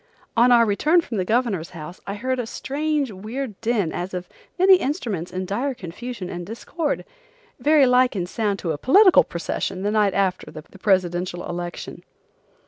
On our return from the Governor's House, I heard a strange, weird din as of many instruments in dire confusion and discord, very like in sound to a political procession the night after the presidential election.